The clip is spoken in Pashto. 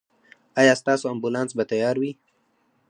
ایا ستاسو امبولانس به تیار وي؟